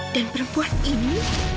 dan perempuan ini